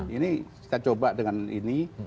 ini kita coba dengan ini